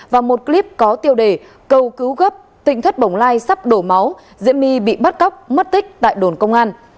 và một clip có tiêu đề cầu cứu gấp tinh thất bồng lai sắp đổ máu diễm my bị bắt cóc mất tích tại đồn công an